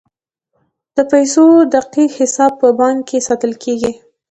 د پیسو دقیق حساب په بانک کې ساتل کیږي.